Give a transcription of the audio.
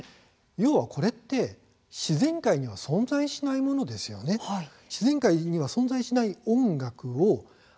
要はこれは自然界には存在しないものですよね。